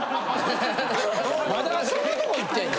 まだそんなとこ行ってるの？